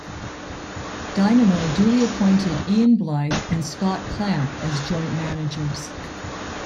Dynamo duly appointed Ian Blyth and Scott Clamp as joint-managers.